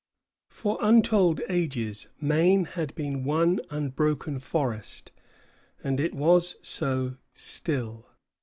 For untold ages Maine had been one unbroken forest, and it was so still.